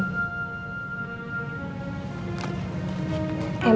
cucu itu orangnya